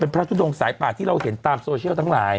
พระทุดงสายป่าที่เราเห็นตามโซเชียลทั้งหลาย